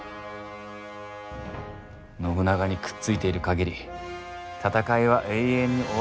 信長にくっついている限り戦いは永遠に終わらん無間地獄じゃ！